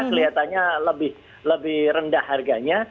kelihatannya lebih rendah harganya